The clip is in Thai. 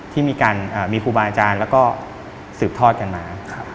ที่มีการมีครูบาอาจารย์แล้วก็สืบทอดกันมา